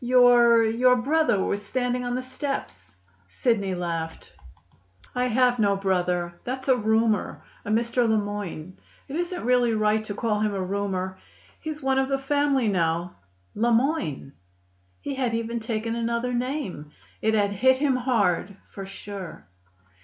Your your brother was standing on the steps." Sidney laughed. "I have no brother. That's a roomer, a Mr. Le Moyne. It isn't really right to call him a roomer; he's one of the family now." "Le Moyne!" He had even taken another name. It had hit him hard, for sure.